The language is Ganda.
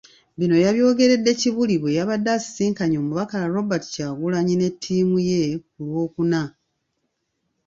Bino yabyogeredde Kibuli bwe yabadde asisinkanye Omubaka Robert Kyagulanyi ne ttiimu ye ku Lwokuna.